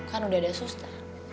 kan udah ada susta